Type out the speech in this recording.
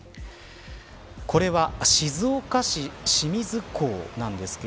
これは静岡市清水港です。